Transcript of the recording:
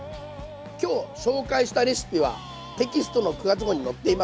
今日紹介したレシピはテキストの９月号に載っています。